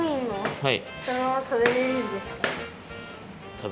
はい。